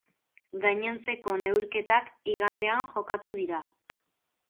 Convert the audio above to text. Gainontzeko neurketak igandean jokatuko dira.